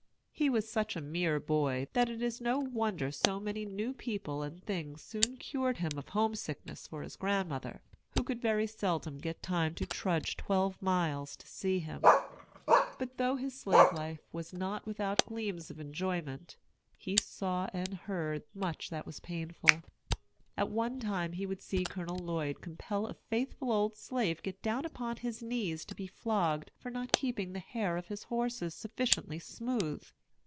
He was such a mere boy, that it is no wonder so many new people and things soon cured him of homesickness for his grandmother, who could very seldom get time to trudge twelve miles to see him. But though his slave life was not without gleams of enjoyment, he saw and heard much that was painful. At one time he would see Colonel Lloyd compel a faithful old slave get down upon his knees to be flogged for not keeping the hair of his horses sufficiently smooth.